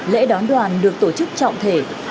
lễ đón đoàn được tổ chức trọng thể